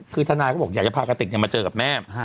คือทนายเขาบอกอยากจะพากระติกมาเจอกับแม่